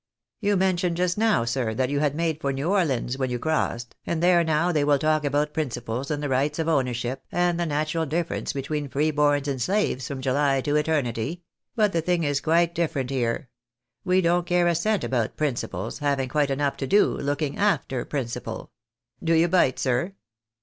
You men tioned just now, sir, that you had made for New Orlines when you crossed. And there now, they will talk about principles, and the rights of ownership, and the natural dift'erence between free boms and slaves, from July to eternity ; but the thing is quite different here. We don't care a cent eibout principles, having quite enough to do, looking after principal. Do you bite, sir